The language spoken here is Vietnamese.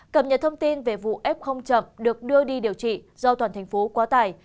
cập nhật thông tin về vụ f chậm được đưa đi điều trị do toàn thành phố quá tải